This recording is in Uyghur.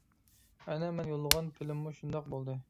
ئەنە مەن يوللىغان فىلىممۇ شۇنداق بولدى.